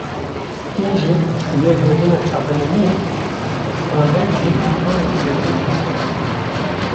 Hîn jî, li gel hebûna çapemeniyê, stranbêj jî roleke mezin dilîze